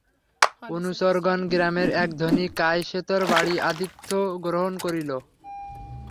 অনুচরগণ গ্রামের এক ধনী কায়সেথর বাড়ি আতিথ্য গ্রহণ করিল।